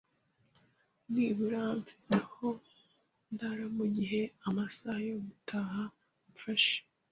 Nibura mfite aho ndara mugihe amasaha yo gutaha amfashe.